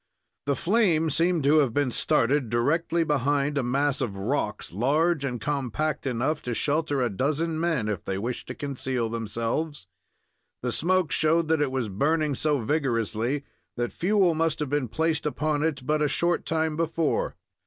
The flame seemed to have been started directly behind a mass of rocks, large and compact enough to shelter a dozen men, if they wished to conceal themselves. The smoke showed that it was burning so vigorously that fuel must have been placed upon it but a short time before.